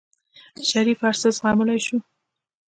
شريف هر څه زغملی شو.